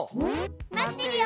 待ってるよ！